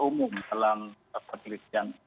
umum dalam penelitian